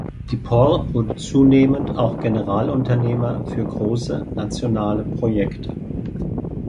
Die Porr wurde zunehmend auch Generalunternehmer für große nationale Projekte.